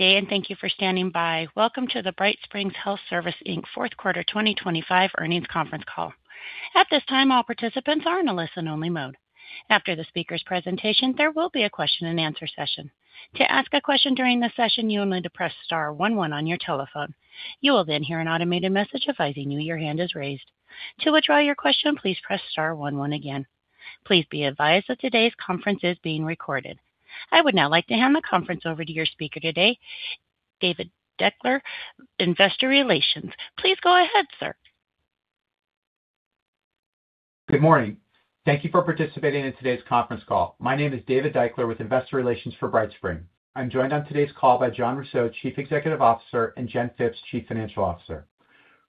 Day. Thank you for standing by. Welcome to the BrightSpring Health Services, Inc. fourth quarter 2025 earnings conference call. At this time, all participants are in a listen-only mode. After the speaker's presentation, there will be a question and answer session. To ask a question during the session, you will need to press star one one on your telephone. You will then hear an automated message advising you your hand is raised. To withdraw your question, please press star one one again. Please be advised that today's conference is being recorded. I would now like to hand the conference over to your speaker today, David Deuchler, Investor Relations. Please go ahead, sir. Good morning. Thank you for participating in today's conference call. My name is David Deuchler with Investor Relations for BrightSpring. I'm joined on today's call by Jon Rousseau, Chief Executive Officer, and Jen Phipps, Chief Financial Officer.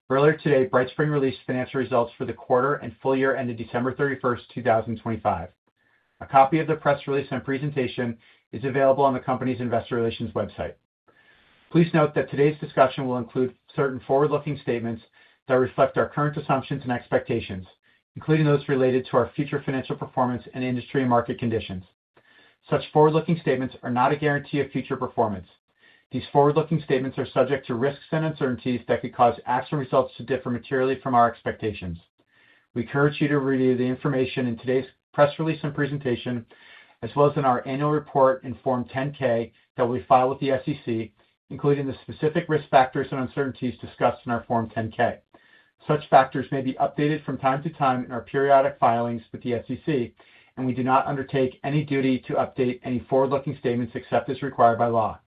Earlier today, BrightSpring released financial results for the quarter and full year ending December 31st, 2025. A copy of the press release and presentation is available on the company's investor relations website. Please note that today's discussion will include certain forward-looking statements that reflect our current assumptions and expectations, including those related to our future financial performance and industry market conditions. Such forward-looking statements are not a guarantee of future performance. These forward-looking statements are subject to risks and uncertainties that could cause actual results to differ materially from our expectations. We encourage you to review the information in today's press release and presentation, as well as in our annual report and Form 10-K that we file with the SEC, including the specific risk factors and uncertainties discussed in our Form 10-K. Such factors may be updated from time-to-time in our periodic filings with the SEC, and we do not undertake any duty to update any forward-looking statements except as required by law.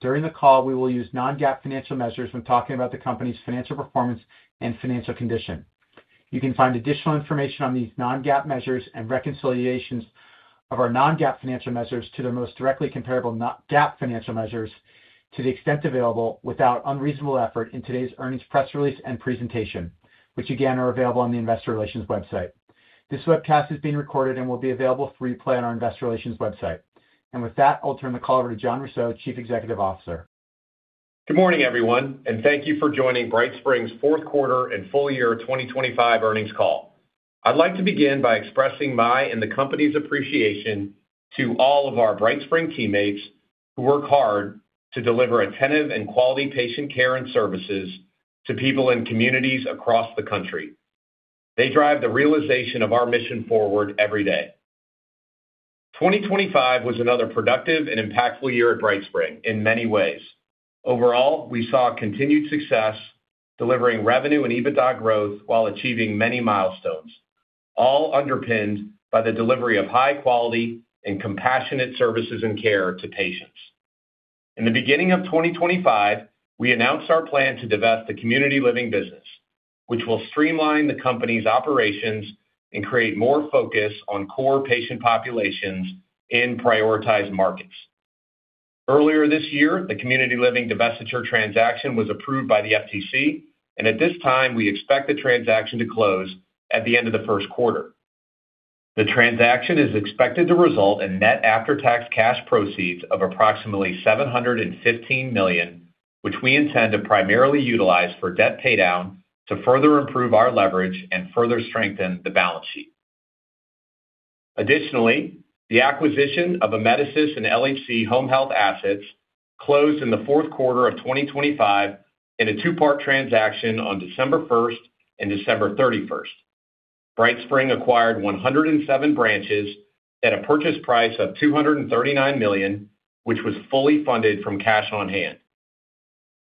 During the call, we will use non-GAAP financial measures when talking about the company's financial performance and financial condition. You can find additional information on these non-GAAP measures and reconciliations of our non-GAAP financial measures to their most directly comparable GAAP financial measures, to the extent available without unreasonable effort in today's earnings press release and presentation, which again, are available on the investor relations website. This webcast is being recorded and will be available for replay on our investor relations website. With that, I'll turn the call over to Jon Rousseau, Chief Executive Officer. Good morning, everyone, thank you for joining BrightSpring's fourth quarter and full year 2025 earnings call. I'd like to begin by expressing my and the company's appreciation to all of our BrightSpring teammates who work hard to deliver attentive and quality patient care and services to people in communities across the country. They drive the realization of our mission forward every day. 2025 was another productive and impactful year at BrightSpring in many ways. Overall, we saw continued success, delivering revenue and EBITDA growth while achieving many milestones, all underpinned by the delivery of high quality and compassionate services and care to patients. In the beginning of 2025, we announced our plan to divest the community living business, which will streamline the company's operations and create more focus on core patient populations in prioritized markets. Earlier this year, the community living divestiture transaction was approved by the FTC. At this time, we expect the transaction to close at the end of the first quarter. The transaction is expected to result in net after-tax cash proceeds of approximately $715 million, which we intend to primarily utilize for debt paydown to further improve our leverage and further strengthen the balance sheet. Additionally, the acquisition of Amedisys and LHC Home Health Assets closed in the fourth quarter of 2025 in a two-part transaction on December 1st and December 31st. BrightSpring acquired 107 branches at a purchase price of $239 million, which was fully funded from cash on hand.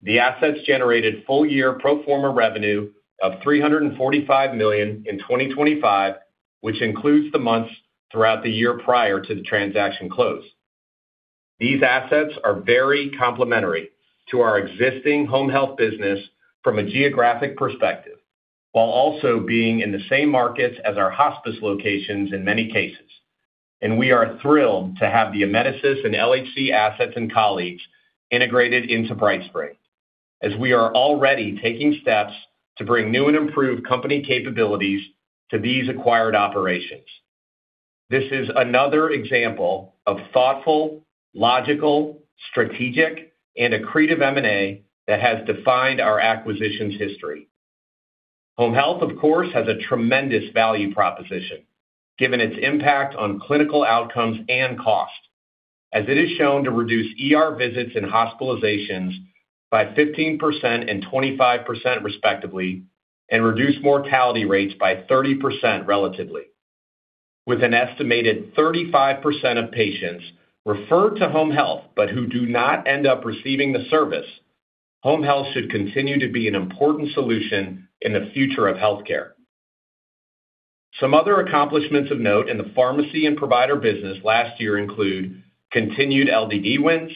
The assets generated full year pro forma revenue of $345 million in 2025, which includes the months throughout the year prior to the transaction close. These assets are very complementary to our existing home health business from a geographic perspective, while also being in the same markets as our hospice locations in many cases. We are thrilled to have the Amedisys and LHC assets and colleagues integrated into BrightSpring, as we are already taking steps to bring new and improved company capabilities to these acquired operations. This is another example of thoughtful, logical, strategic, and accretive M&A that has defined our acquisitions history. Home health, of course, has a tremendous value proposition, given its impact on clinical outcomes and cost, as it is shown to reduce ER visits and hospitalizations by 15% and 25%, respectively, and reduce mortality rates by 30% relatively. With an estimated 35% of patients referred to home health, but who do not end up receiving the service, home health should continue to be an important solution in the future of healthcare. Some other accomplishments of note in the pharmacy and provider business last year include continued LDD wins,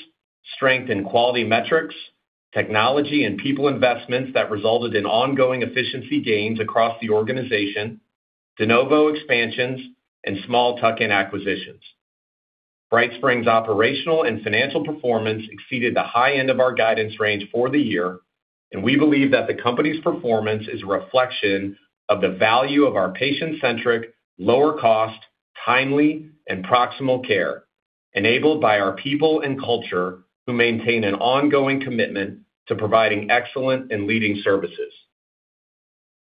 strength in quality metrics, technology and people investments that resulted in ongoing efficiency gains across the organization, de novo expansions, and small tuck-in acquisitions. BrightSpring's operational and financial performance exceeded the high end of our guidance range for the year. We believe that the company's performance is a reflection of the value of our patient-centric, lower cost, timely, and proximal care, enabled by our people and culture, who maintain an ongoing commitment to providing excellent and leading services....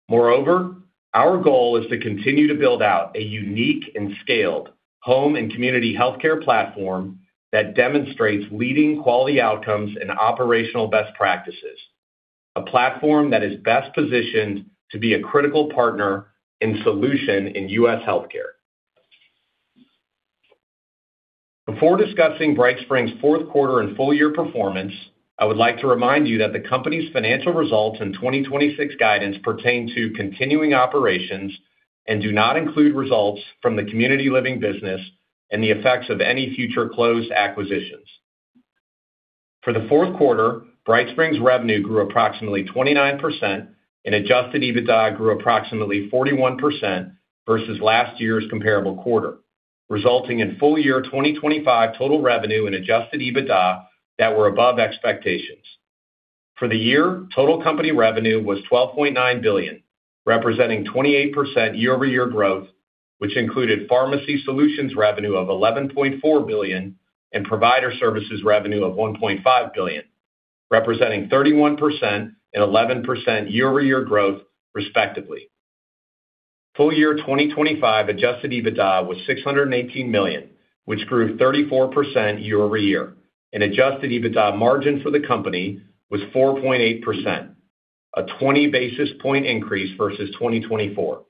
Moreover, our goal is to continue to build out a unique and scaled home and community healthcare platform that demonstrates leading quality outcomes and operational best practices, a platform that is best positioned to be a critical partner in solution in U.S. healthcare. Before discussing BrightSpring's fourth quarter and full year performance, I would like to remind you that the company's financial results and 2026 guidance pertain to continuing operations and do not include results from the community living business and the effects of any future closed acquisitions. For the fourth quarter, BrightSpring's revenue grew approximately 29% and adjusted EBITDA grew approximately 41% versus last year's comparable quarter, resulting in full year 2025 total revenue and adjusted EBITDA that were above expectations. For the year, total company revenue was $12.9 billion, representing 28% year-over-year growth, which included pharmacy solutions revenue of $11.4 billion and provider services revenue of $1.5 billion, representing 31% and 11% year-over-year growth, respectively. Full year 2025 adjusted EBITDA was $618 million, which grew 34% year-over-year, and adjusted EBITDA margin for the company was 4.8%, a 20 basis point increase versus 2024,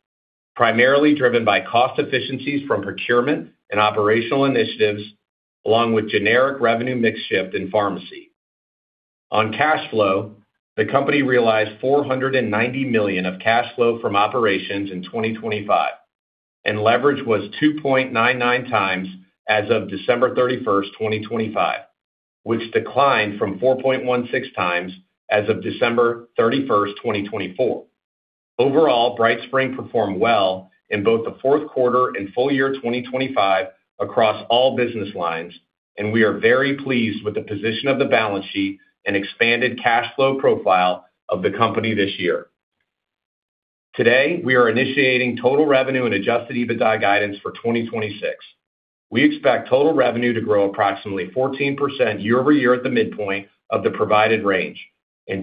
primarily driven by cost efficiencies from procurement and operational initiatives, along with generic revenue mix shift in pharmacy. On cash flow, the company realized $490 million of cash flow from operations in 2025, and leverage was 2.99x as of December 31st, 2025, which declined from 4.16x as of December 31st, 2024. Overall, BrightSpring performed well in both the fourth quarter and full year 2025 across all business lines, we are very pleased with the position of the balance sheet and expanded cash flow profile of the company this year. Today, we are initiating total revenue and adjusted EBITDA guidance for 2026. We expect total revenue to grow approximately 14% year-over-year at the midpoint of the provided range,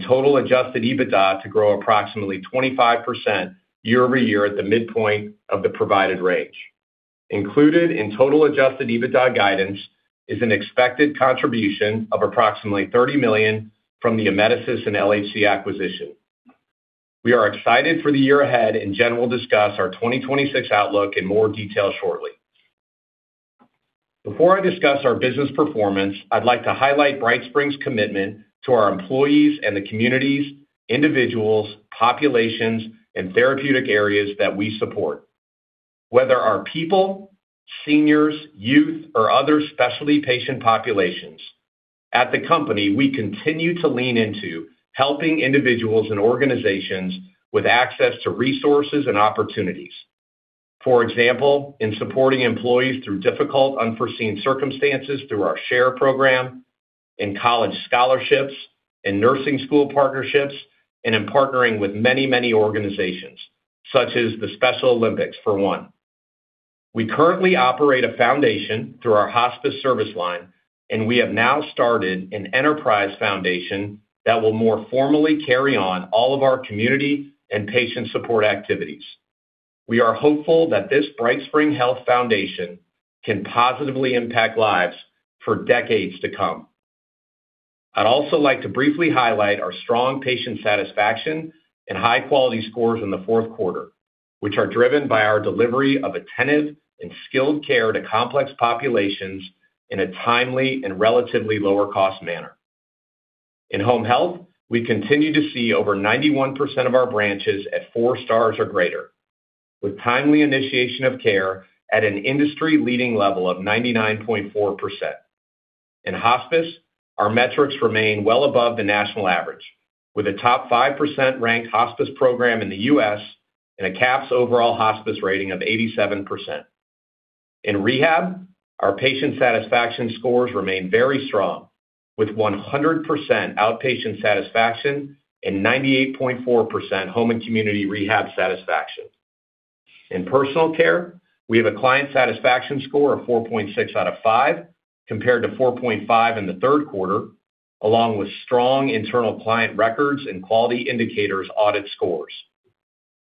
total adjusted EBITDA to grow approximately 25% year-over-year at the midpoint of the provided range. Included in total adjusted EBITDA guidance is an expected contribution of approximately $30 million from the Amedisys and LHC acquisition. We are excited for the year ahead, Jen will discuss our 2026 outlook in more detail shortly. Before I discuss our business performance, I'd like to highlight BrightSpring's commitment to our employees and the communities, individuals, populations, and therapeutic areas that we support. Whether our people, seniors, youth, or other specialty patient populations, at the company, we continue to lean into helping individuals and organizations with access to resources and opportunities. For example, in supporting employees through difficult, unforeseen circumstances through our SHARE Program, in college scholarships, in nursing school partnerships, and in partnering with many, many organizations, such as the Special Olympics, for one. We currently operate a foundation through our hospice service line, and we have now started an enterprise foundation that will more formally carry on all of our community and patient support activities. We are hopeful that this BrightSpring Health Foundation can positively impact lives for decades to come. I'd also like to briefly highlight our strong patient satisfaction and high quality scores in the fourth quarter, which are driven by our delivery of attentive and skilled care to complex populations in a timely and relatively lower cost manner. In home health, we continue to see over 91% of our branches at four stars or greater, with timely initiation of care at an industry-leading level of 99.4%. In hospice, our metrics remain well above the national average, with a top 5% ranked hospice program in the U.S. and a CAHPS Overall Hospice rating of 87%. In rehab, our patient satisfaction scores remain very strong, with 100% outpatient satisfaction and 98.4% home and community rehab satisfaction. In personal care, we have a client satisfaction score of 4.6 out of five, compared to 4.5 in the 3rd quarter, along with strong internal client records and quality indicators audit scores.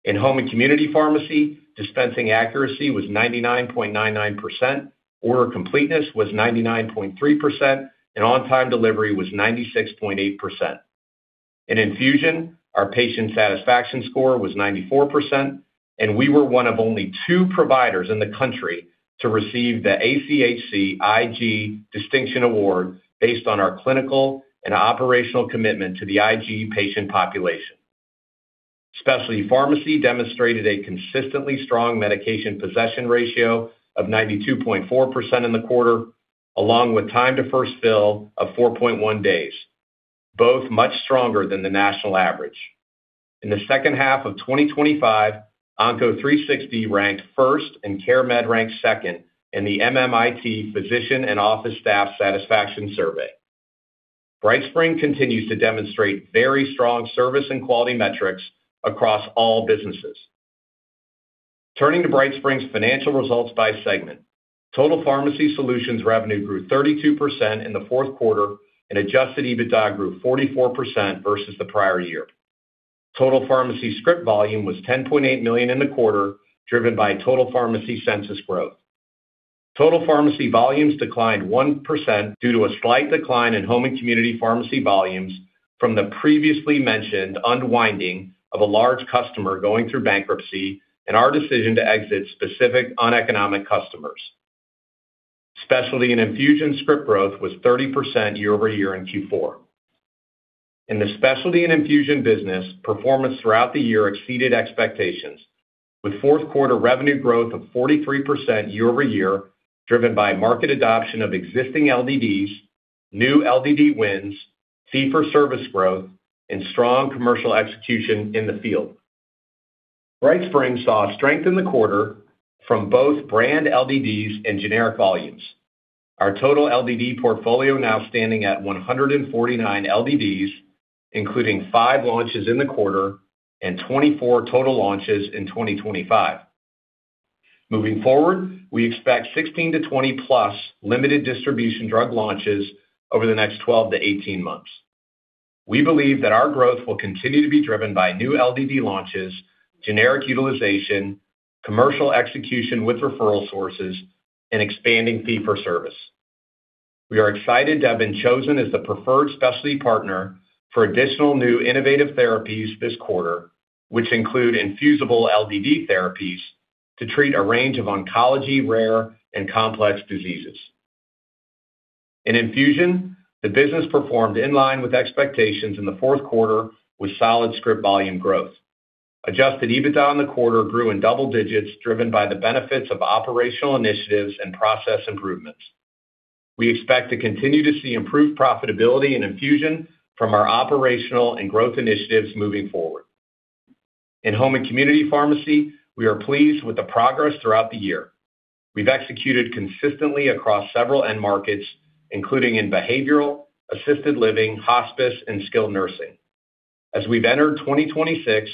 In home and community pharmacy, dispensing accuracy was 99.99%, order completeness was 99.3%, and on-time delivery was 96.8%. In infusion, our patient satisfaction score was 94%, and we were one of only two providers in the country to receive the ACHC IG Distinction Award based on our clinical and operational commitment to the IG patient population. Specialty Pharmacy demonstrated a consistently strong medication possession ratio of 92.4% in the quarter, along with time to first fill of 4.1 days, both much stronger than the national average. In the second half of 2025, Onco360 ranked first and CareMed ranked second in the MMIT Physician and Office Staff Satisfaction Survey. BrightSpring continues to demonstrate very strong service and quality metrics across all businesses. Turning to BrightSpring's financial results by segment. Total Pharmacy Solutions revenue grew 32% in the fourth quarter, and adjusted EBITDA grew 44% versus the prior year. Total Pharmacy script volume was 10.8 million in the quarter, driven by Total Pharmacy census growth. Total Pharmacy volumes declined 1% due to a slight decline in home and community pharmacy volumes from the previously mentioned unwinding of a large customer going through bankruptcy and our decision to exit specific uneconomic customers. Specialty and infusion script growth was 30% year-over-year in Q4. In the specialty and infusion business, performance throughout the year exceeded expectations, with fourth quarter revenue growth of 43% year-over-year, driven by market adoption of existing LDDs, new LDD wins, fee for service growth, and strong commercial execution in the field. BrightSpring saw strength in the quarter from both brand LDDs and generic volumes. Our total LDD portfolio now standing at 149 LDDs, including five launches in the quarter and 24 total launches in 2025. Moving forward, we expect 16-20-plus limited distribution drug launches over the next 12-18 months. We believe that our growth will continue to be driven by new LDD launches, generic utilization, commercial execution with referral sources, and expanding fee for service. We are excited to have been chosen as the preferred specialty partner for additional new innovative therapies this quarter, which include infusible LDD therapies to treat a range of oncology, rare, and complex diseases. In infusion, the business performed in line with expectations in the fourth quarter with solid script volume growth. Adjusted EBITDA in the quarter grew in double digits, driven by the benefits of operational initiatives and process improvements. We expect to continue to see improved profitability and infusion from our operational and growth initiatives moving forward. In home and community pharmacy, we are pleased with the progress throughout the year. We've executed consistently across several end markets, including in behavioral, assisted living, hospice, and skilled nursing. As we've entered 2026,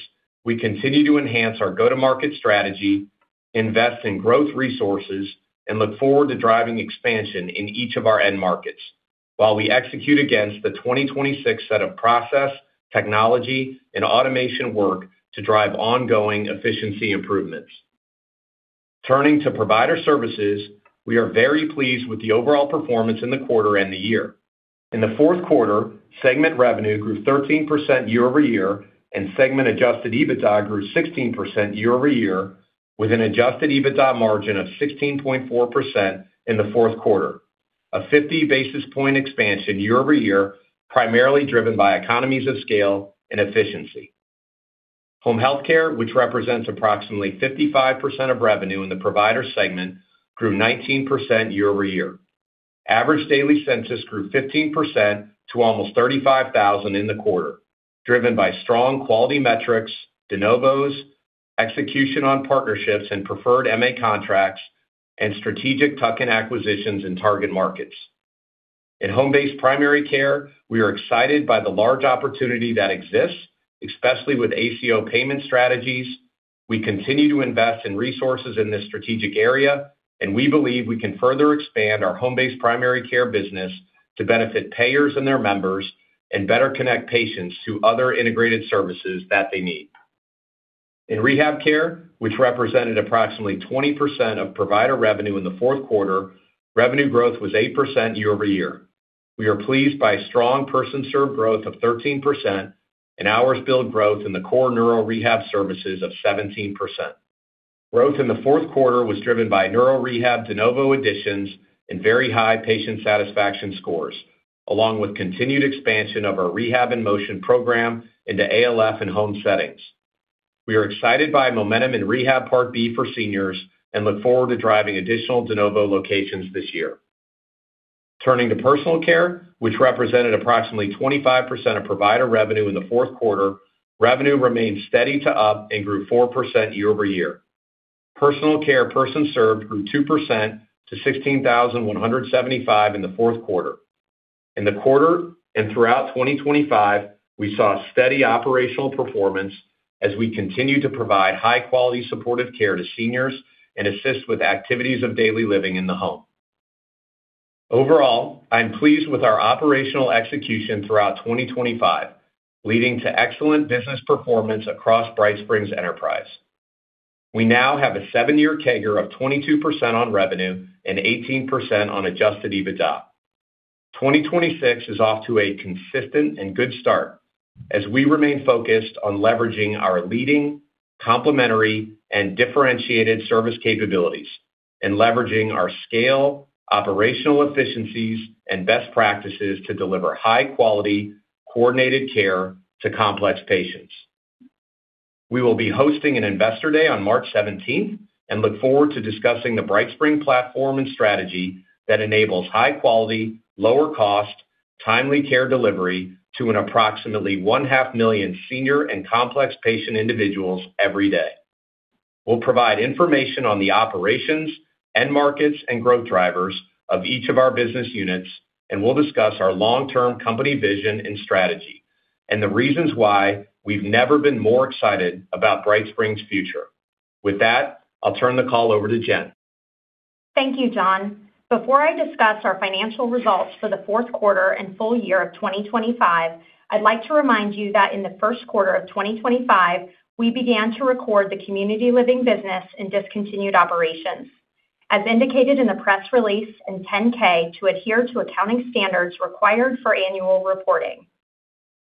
we continue to enhance our go-to-market strategy, invest in growth resources, and look forward to driving expansion in each of our end markets, while we execute against the 2026 set of process, technology, and automation work to drive ongoing efficiency improvements. Turning to provider services, we are very pleased with the overall performance in the quarter and the year. In the fourth quarter, segment revenue grew 13% year-over-year, and segment adjusted EBITDA grew 16% year-over-year, with an adjusted EBITDA margin of 16.4% in the fourth quarter, a 50 basis point expansion year-over-year, primarily driven by economies of scale and efficiency. Home healthcare, which represents approximately 55% of revenue in the provider segment, grew 19% year-over-year. Average daily census grew 15% to almost 35,000 in the quarter, driven by strong quality metrics, de novos, execution on partnerships and preferred MA contracts, and strategic tuck-in acquisitions in target markets. In home-based primary care, we are excited by the large opportunity that exists, especially with ACO payment strategies. We continue to invest in resources in this strategic area, and we believe we can further expand our home-based primary care business to benefit payers and their members and better connect patients to other integrated services that they need. In rehab care, which represented approximately 20% of provider revenue in the fourth quarter, revenue growth was 8% year-over-year. We are pleased by strong person-served growth of 13% and hours billed growth in the core neuro rehab services of 17%. Growth in the 4th quarter was driven by neuro rehab de novo additions and very high patient satisfaction scores, along with continued expansion of our Rehab in Motion program into ALF and home settings. We are excited by momentum in Rehab Part B for seniors and look forward to driving additional de novo locations this year. Turning to personal care, which represented approximately 25% of provider revenue in the 4th quarter, revenue remained steady to up and grew 4% year-over-year. Personal care person served grew 2% to 16,175 in the 4th quarter. In the quarter, and throughout 2025, we saw steady operational performance as we continue to provide high-quality supportive care to seniors and assist with activities of daily living in the home. Overall, I'm pleased with our operational execution throughout 2025, leading to excellent business performance across BrightSpring's enterprise. We now have a seven-year CAGR of 22% on revenue and 18% on adjusted EBITDA. 2026 is off to a consistent and good start as we remain focused on leveraging our leading, complementary, and differentiated service capabilities and leveraging our scale, operational efficiencies, and best practices to deliver high-quality, coordinated care to complex patients. We will be hosting an investor day on March 17th and look forward to discussing the BrightSpring platform and strategy that enables high quality, lower cost, timely care delivery to an approximately one-half million senior and complex patient individuals every day. We'll provide information on the operations, end markets, and growth drivers of each of our business units, and we'll discuss our long-term company vision and strategy. The reasons why we've never been more excited about BrightSpring's future. With that, I'll turn the call over to Jenn. Thank you, Jon. Before I discuss our financial results for the fourth quarter and full year of 2025, I'd like to remind you that in the first quarter of 2025, we began to record the community living business in discontinued operations, as indicated in the press release and 10-K to adhere to accounting standards required for annual reporting.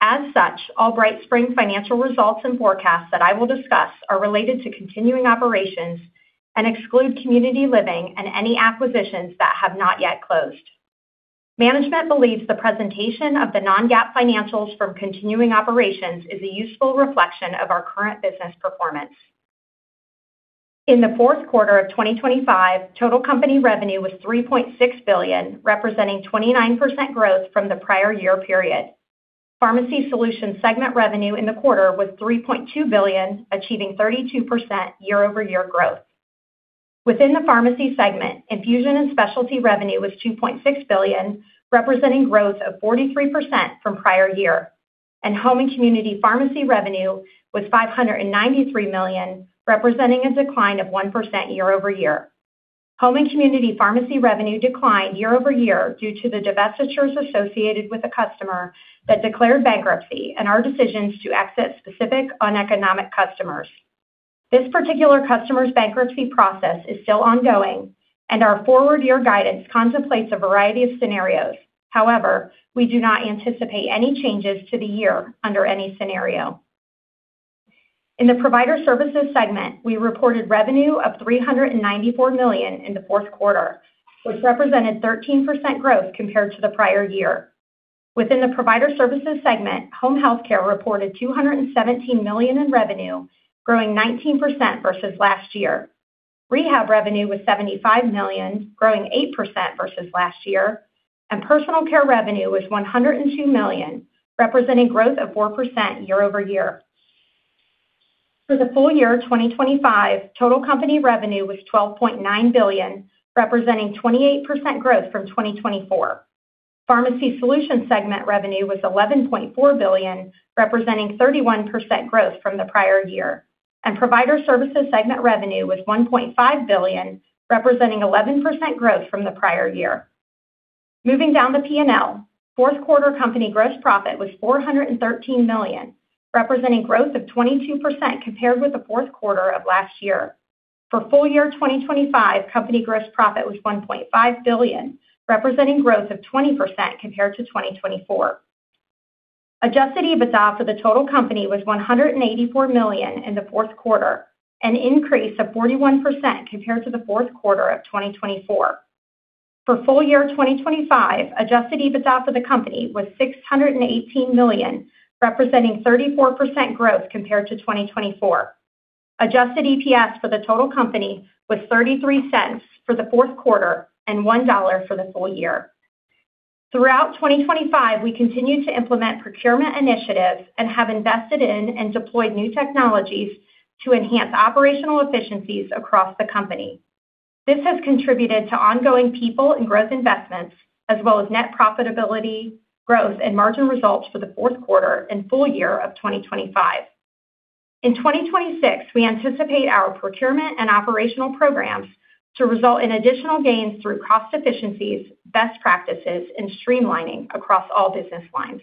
All BrightSpring financial results and forecasts that I will discuss are related to continuing operations and exclude community living and any acquisitions that have not yet closed. Management believes the presentation of the non-GAAP financials from continuing operations is a useful reflection of our current business performance. In the fourth quarter of 2025, total company revenue was $3.6 billion, representing 29% growth from the prior year period. Pharmacy Solutions segment revenue in the quarter was $3.2 billion, achieving 32% year-over-year growth. Within the pharmacy segment, infusion and specialty revenue was $2.6 billion, representing growth of 43% from prior year, and home and community pharmacy revenue was $593 million, representing a decline of 1% year-over-year. Home and community pharmacy revenue declined year-over-year due to the divestitures associated with a customer that declared bankruptcy and our decisions to exit specific uneconomic customers. This particular customer's bankruptcy process is still ongoing, and our forward-year guidance contemplates a variety of scenarios. However, we do not anticipate any changes to the year under any scenario. In the Provider Services segment, we reported revenue of $394 million in the fourth quarter, which represented 13% growth compared to the prior year. Within the Provider Services segment, Home Health care reported $217 million in revenue, growing 19% versus last year. Rehab revenue was $75 million, growing 8% versus last year, and personal care revenue was $102 million, representing growth of 4% year-over-year. For the full year of 2025, total company revenue was $12.9 billion, representing 28% growth from 2024. Pharmacy Solutions segment revenue was $11.4 billion, representing 31% growth from the prior year, and Provider Services segment revenue was $1.5 billion, representing 11% growth from the prior year. Moving down the P&L, 4th quarter company gross profit was $413 million, representing growth of 22% compared with the 4th quarter of last year. For full year 2025, company gross profit was $1.5 billion, representing growth of 20% compared to 2024. Adjusted EBITDA for the total company was $184 million in the fourth quarter, an increase of 41% compared to the fourth quarter of 2024. For full year 2025, Adjusted EBITDA for the company was $618 million, representing 34% growth compared to 2024. Adjusted EPS for the total company was $0.33 for the fourth quarter and $1 for the full year. Throughout 2025, we continued to implement procurement initiatives and have invested in and deployed new technologies to enhance operational efficiencies across the company. This has contributed to ongoing people and growth investments, as well as net profitability, growth, and margin results for the fourth quarter and full year of 2025. In 2026, we anticipate our procurement and operational programs to result in additional gains through cost efficiencies, best practices, and streamlining across all business lines.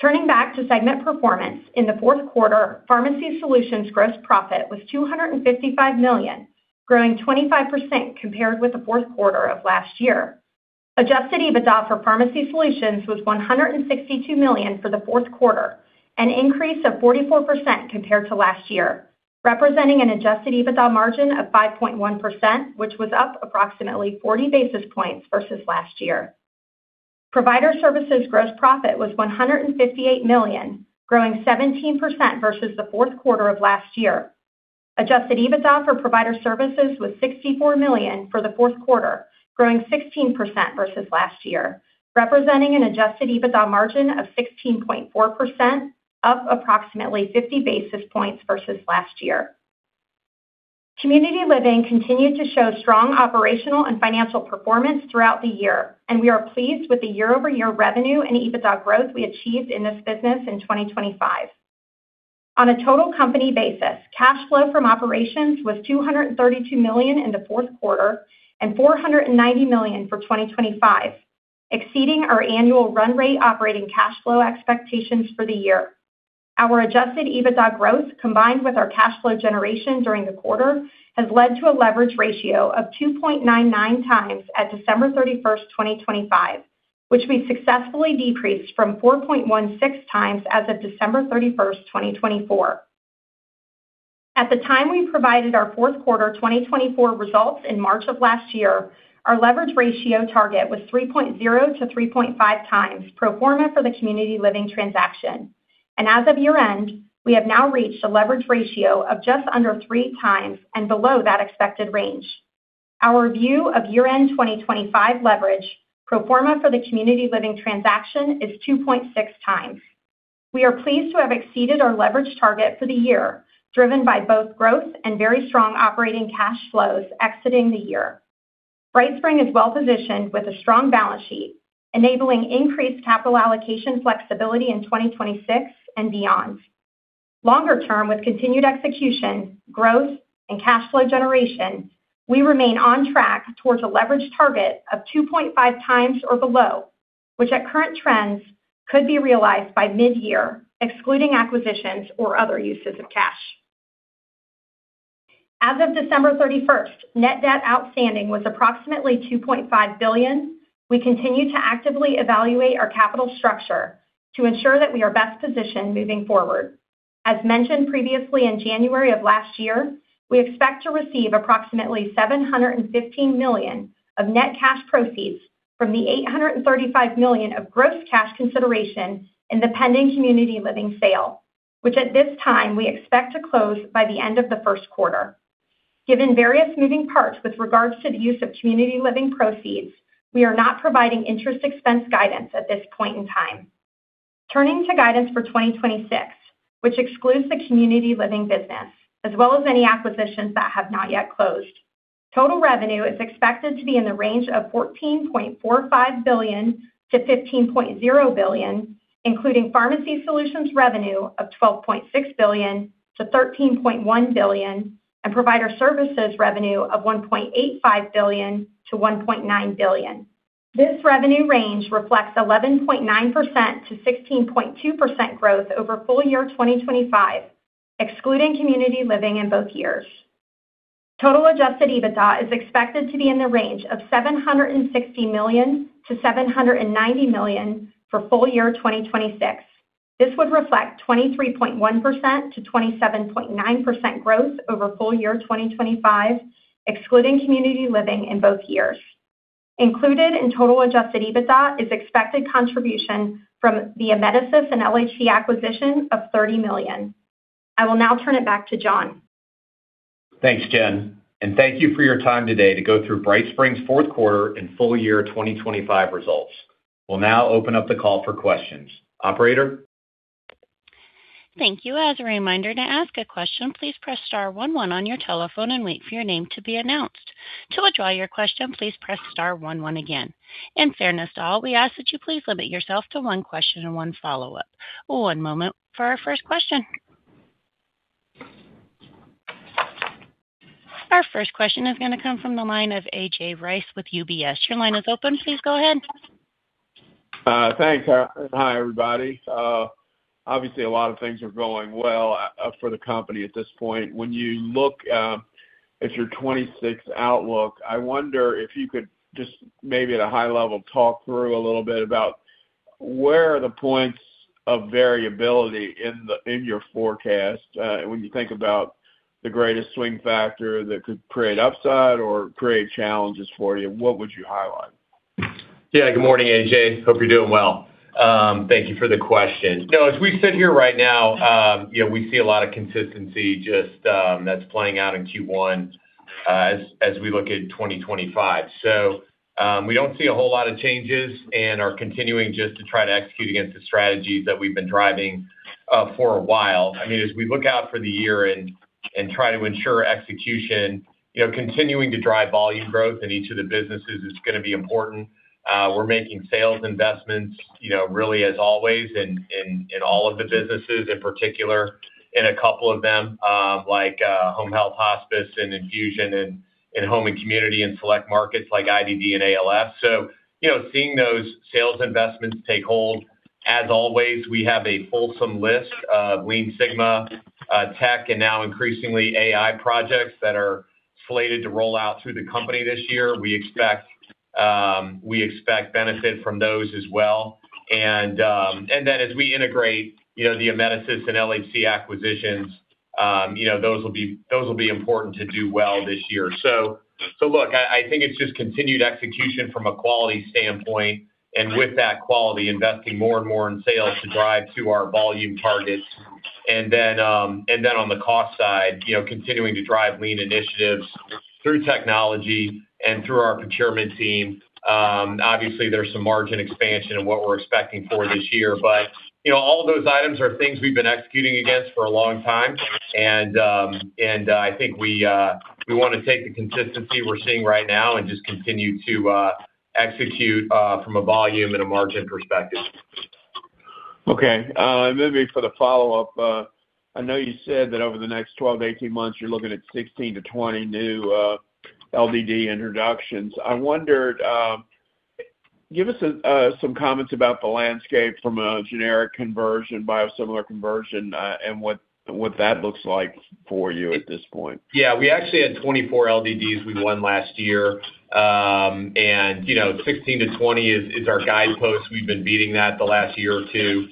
Turning back to segment performance, in the fourth quarter, Pharmacy Solutions gross profit was $255 million, growing 25% compared with the fourth quarter of last year. Adjusted EBITDA for Pharmacy Solutions was $162 million for the fourth quarter, an increase of 44% compared to last year, representing an Adjusted EBITDA margin of 5.1%, which was up approximately 40 basis points versus last year. Provider Services gross profit was $158 million, growing 17% versus the fourth quarter of last year. Adjusted EBITDA for Provider Services was $64 million for the fourth quarter, growing 16% versus last year, representing an adjusted EBITDA margin of 16.4%, up approximately 50 basis points versus last year. Community Living continued to show strong operational and financial performance throughout the year, and we are pleased with the year-over-year revenue and EBITDA growth we achieved in this business in 2025. On a total company basis, cash flow from operations was $232 million in the fourth quarter and $490 million for 2025, exceeding our annual run rate operating cash flow expectations for the year. Our adjusted EBITDA growth, combined with our cash flow generation during the quarter, has led to a leverage ratio of 2.99x at December 31, 2025, which we successfully decreased from 4.16x as of December 31, 2024. At the time we provided our fourth quarter 2024 results in March of last year, our leverage ratio target was 3.0-3.5x pro forma for the community living transaction. As of year-end, we have now reached a leverage ratio of just under 3x and below that expected range. Our view of year-end 2025 leverage pro forma for the community living transaction is 2.6x. We are pleased to have exceeded our leverage target for the year, driven by both growth and very strong operating cash flows exiting the year. BrightSpring is well positioned with a strong balance sheet, enabling increased capital allocation flexibility in 2026 and beyond. Longer term, with continued execution, growth, and cash flow generation, we remain on track towards a leverage target of 2.5x or below, which at current trends could be realized by mid-year, excluding acquisitions or other uses of cash. As of December 31st, net debt outstanding was approximately $2.5 billion. We continue to actively evaluate our capital structure to ensure that we are best positioned moving forward. As mentioned previously in January of last year, we expect to receive approximately $715 million of net cash proceeds from the $835 million of gross cash consideration in the pending Community Living sale, which at this time, we expect to close by the end of the 1st quarter. Given various moving parts with regards to the use of community living proceeds, we are not providing interest expense guidance at this point in time. Turning to guidance for 2026, which excludes the community living business, as well as any acquisitions that have not yet closed. Total revenue is expected to be in the range of $14.45 billion-$15.0 billion, including pharmacy solutions revenue of $12.6 billion-$13.1 billion, and provider services revenue of $1.85 billion-$1.9 billion. This revenue range reflects 11.9%-16.2% growth over full year 2025, excluding community living in both years. Total adjusted EBITDA is expected to be in the range of $760 million-$790 million for full year 2026. This would reflect 23.1% to 27.9% growth over full year 2025, excluding community living in both years. Included in total adjusted EBITDA is expected contribution from the Amedisys and LHC acquisition of $30 million. I will now turn it back to Jon. Thanks, Jen, and thank you for your time today to go through BrightSpring's fourth quarter and full year 2025 results. We'll now open up the call for questions. Operator? Thank you. As a reminder, to ask a question, please press star one on your telephone and wait for your name to be announced. To withdraw your question, please press star one again. In fairness to all, we ask that you please limit yourself to one question and one follow-up. One moment for our first question. Our first question is going to come from the line of A.J. Rice with UBS. Your line is open. Please go ahead. Thanks. Hi, everybody. Obviously, a lot of things are going well for the company at this point. When you look at your 2026 outlook, I wonder if you could just maybe at a high level, talk through a little bit about where are the points of variability in your forecast, when you think about the greatest swing factor that could create upside or create challenges for you, and what would you highlight? Yeah. Good morning, AJ. Hope you're doing well. Thank you for the question. You know, as we sit here right now, you know, we see a lot of consistency just, that's playing out in Q1, as we look at 2025. We don't see a whole lot of changes and are continuing just to try to execute against the strategies that we've been driving for a while. I mean, as we look out for the year and try to ensure execution, you know, continuing to drive volume growth in each of the businesses is going to be important. We're making sales investments, you know, really, as always, in all of the businesses, in particular, in a couple of them, like home health, hospice, and infusion, and in home and community, and select markets like IDD and ALF. You know, seeing those sales investments take hold. As always, we have a wholesome list of Lean Six Sigma, tech, and now increasingly AI projects that are slated to roll out through the company this year. We expect benefit from those as well. Then as we integrate, you know, the Amedisys and LHC acquisitions, you know, those will be important to do well this year. Look, I think it's just continued execution from a quality standpoint, and with that quality, investing more and more in sales to drive to our volume targets. Then on the cost side, you know, continuing to drive lean initiatives through technology and through our procurement team. Obviously, there's some margin expansion in what we're expecting for this year. You know, all of those items are things we've been executing against for a long time. I think we want to take the consistency we're seeing right now and just continue to execute from a volume and a margin perspective. Maybe for the follow-up, I know you said that over the next 12-18 months, you're looking at 16-20 new LDD introductions. I wondered, give us some comments about the landscape from a generic conversion, biosimilar conversion, and what that looks like for you at this point. Yeah, we actually had 24 LDDs we won last year. You know, 16-20 is our guidepost. We've been beating that the last year or two.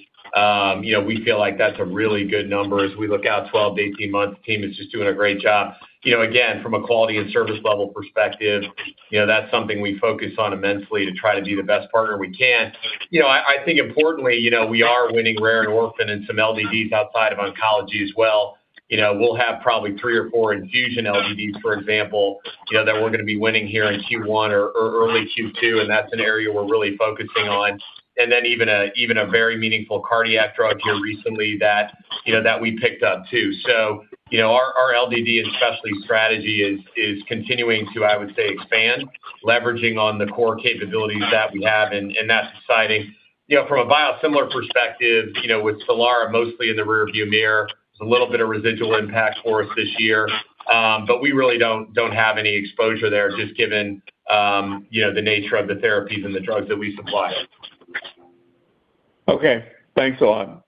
You know, we feel like that's a really good number as we look out 12-18 months. The team is just doing a great job. You know, again, from a quality and service level perspective, you know, that's something we focus on immensely to try to be the best partner we can. You know, I think importantly, you know, we are winning rare and orphan and some LDDs outside of oncology as well. You know, we'll have probably three or four infusion LDDs, for example, you know, that we're going to be winning here in Q1 or early Q2, and that's an area we're really focusing on. Even a, even a very meaningful cardiac drug here recently that you know, that we picked up, too. You know, our LDD and specialty strategy is continuing to, I would say, expand, leveraging on the core capabilities that we have in that society. You know, from a biosimilar perspective, you know, with Solara mostly in the rearview mirror, it's a little bit of residual impact for us this year. But we really don't have any exposure there, just given, you know, the nature of the therapies and the drugs that we supply. Okay, thanks a lot.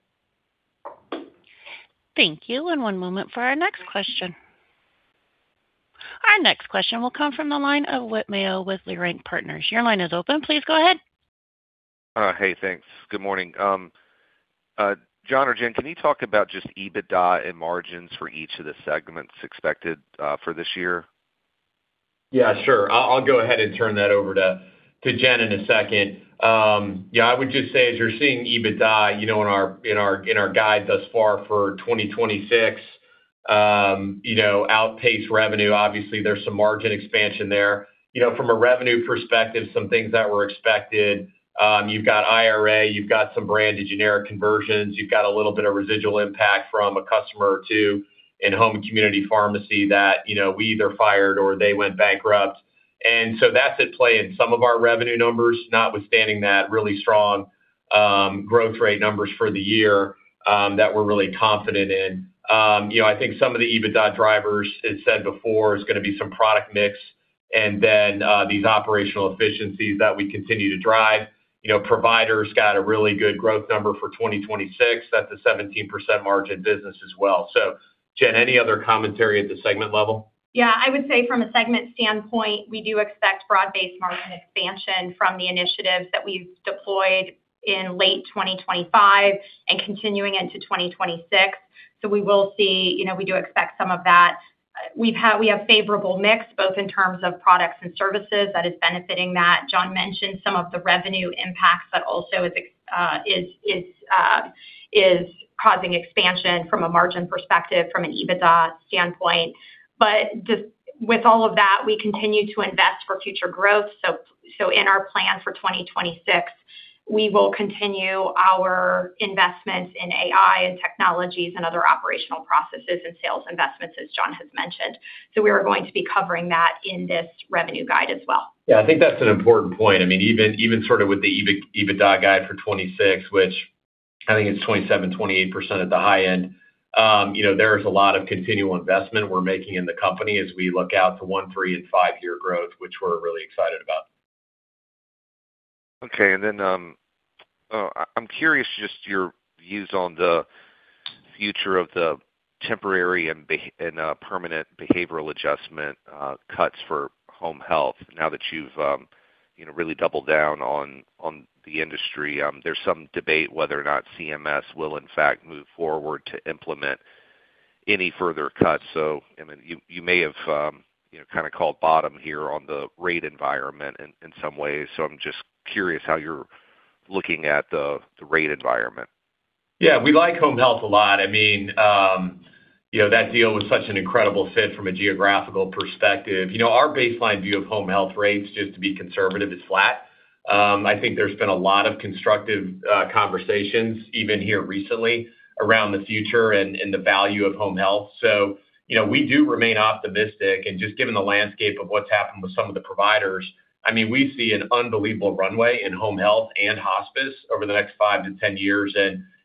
Thank you. One moment for our next question. Our next question will come from the line of Whit Mayo with Leerink Partners. Your line is open. Please go ahead. Hey, thanks. Good morning. Jon or Jen, can you talk about just EBITDA and margins for each of the segments expected for this year? Yeah, sure. I'll go ahead and turn that over to Jen in a second. Yeah, I would just say, as you're seeing EBITDA, you know, in our guide thus far for 2026, you know, outpace revenue, obviously, there's some margin expansion there. You know, from a revenue perspective, some things that were expected, you've got IRA, you've got some branded generic conversions, you've got a little bit of residual impact from a customer or two in home and community pharmacy that, you know, we either fired or they went bankrupt. That's at play in some of our revenue numbers, notwithstanding that really strong growth rate numbers for the year that we're really confident in. You know, I think some of the EBITDA drivers, as said before, is gonna be some product mix and then these operational efficiencies that we continue to drive. You know, providers got a really good growth number for 2026. That's a 17% margin business as well. Jen, any other commentary at the segment level? Yeah, I would say from a segment standpoint, we do expect broad-based margin expansion from the initiatives that we've deployed in late 2025 and continuing into 2026. We will see, you know, we do expect some of that. We have favorable mix, both in terms of products and services that is benefiting that. Jon mentioned some of the revenue impacts, that also is causing expansion from a margin perspective, from an EBITDA standpoint. Just with all of that, we continue to invest for future growth. In our plan for 2026, we will continue our investments in AI and technologies and other operational processes and sales investments, as Jon has mentioned. We are going to be covering that in this revenue guide as well. Yeah, I think that's an important point. I mean, even sort of with the EBITDA guide for 2026, which I think it's 27%, 28% at the high end, you know, there's a lot of continual investment we're making in the company as we look out to one, three, and five-year growth, which we're really excited about. Okay. I'm curious just your views on the future of the temporary and permanent behavioral adjustment cuts for home health. Now that you've, you know, really doubled down on the industry, there's some debate whether or not CMS will in fact, move forward to implement any further cuts. I mean, you may have, you know, kind of called bottom here on the rate environment in some ways. I'm just curious how you're looking at the rate environment. Yeah, we like home health a lot. I mean, you know, that deal was such an incredible fit from a geographical perspective. You know, our baseline view of home health rates, just to be conservative, is flat. I think there's been a lot of constructive conversations even here recently around the future and the value of home health. You know, we do remain optimistic and just given the landscape of what's happened with some of the providers, I mean, we see an unbelievable runway in home health and hospice over the next five-10 years.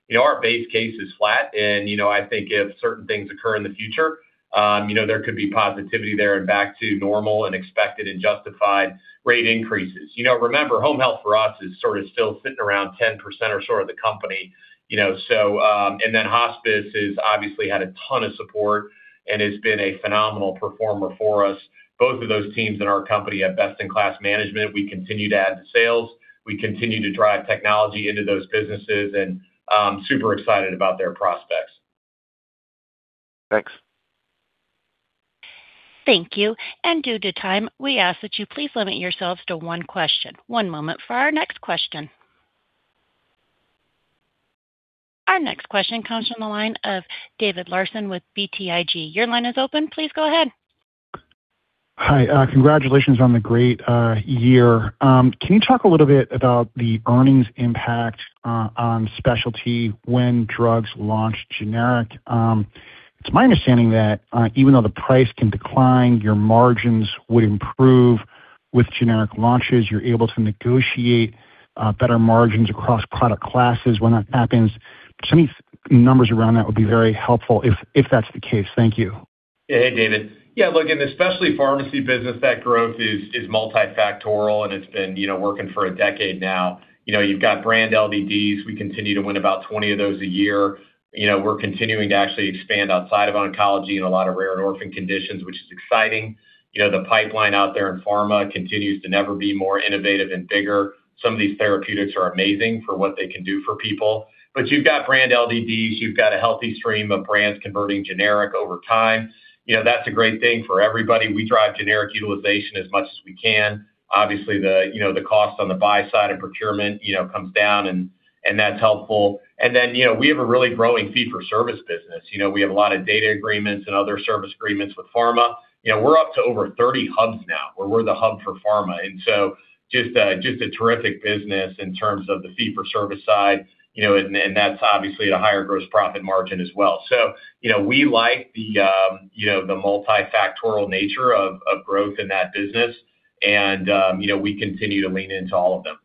You know, our base case is flat. You know, I think if certain things occur in the future, there could be positivity there and back to normal and expected and justified rate increases. You know, remember, home health for us is sort of still sitting around 10% or so of the company, you know. Hospice is obviously had a ton of support and has been a phenomenal performer for us. Both of those teams in our company have best-in-class management. We continue to add to sales, we continue to drive technology into those businesses, super excited about their prospects. Thanks. Thank you. Due to time, we ask that you please limit yourselves to one question. One moment for our next question. Our next question comes from the line of David Larsen with BTIG. Your line is open. Please go ahead. Hi, congratulations on the great year. Can you talk a little bit about the earnings impact on specialty when drugs launch generic? It's my understanding that even though the price can decline, your margins would improve. With generic launches, you're able to negotiate better margins across product classes when that happens. Just any numbers around that would be very helpful if that's the case. Thank you. Hey, David. Yeah, look, in the specialty pharmacy business, that growth is multifactorial, and it's been, you know, working for a decade now. You know, you've got brand LDDs. We continue to win about 20 of those a year. You know, we're continuing to actually expand outside of oncology in a lot of rare and orphan conditions, which is exciting. You know, the pipeline out there in pharma continues to never be more innovative and bigger. Some of these therapeutics are amazing for what they can do for people. You've got brand LDDs, you've got a healthy stream of brands converting generic over time. You know, that's a great thing for everybody. We drive generic utilization as much as we can. Obviously, the, you know, cost on the buy side and procurement, you know, comes down, and that's helpful. You know, we have a really growing fee-for-service business. You know, we have a lot of data agreements and other service agreements with pharma. You know, we're up to over 30 hubs now, where we're the hub for pharma. Just a terrific business in terms of the fee-for-service side, you know, and that's obviously at a higher gross profit margin as well. You know, we like the, you know, the multifactorial nature of growth in that business, and, you know, we continue to lean into all of them.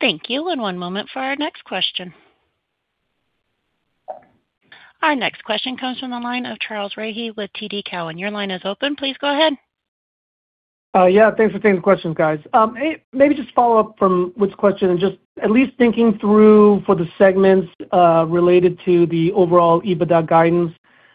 Thank you. One moment for our next question. Our next question comes from the line of Charles Rhyee with TD Cowen. Your line is open. Please go ahead. Yeah, thanks for taking the questions, guys. Maybe just follow up from this question and just at least thinking through for the segments related to the overall EBITDA guidance.